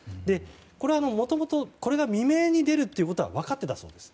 これはもともと未明に出ることは分かっていたそうです。